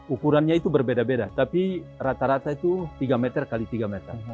ukurannya itu berbeda beda tapi rata rata itu tiga meter x tiga meter